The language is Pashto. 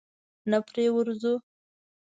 نه پرې ورځو؟